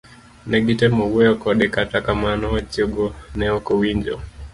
Negitemo wuoyo kode kata kamano wechego ne okowinjo.